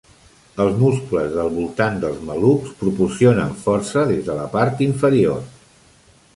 Els muscles del voltant dels malucs proporcionen força des de la part inferior.